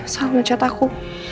salah ngecat aku